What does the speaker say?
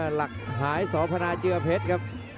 หลักหายสพนาเจือเพชรครับ